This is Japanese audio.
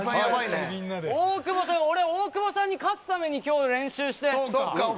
俺、大久保さんに勝つために今日、練習して。